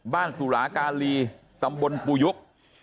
สุรากาลีตำบลปูยุบ